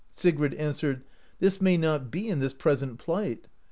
Sigrid answered, "This may not be in this present plight.